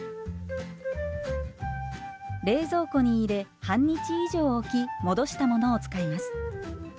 冷蔵庫に入れ半日以上置き戻したものを使います。